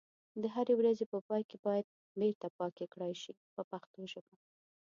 د هرې ورځې په پای کې باید بیرته پاکي کړای شي په پښتو ژبه.